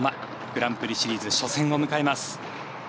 グランプリシリーズ初戦を迎えます。